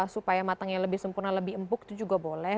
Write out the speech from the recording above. supaya matangnya lebih sempurna lebih empuk itu juga boleh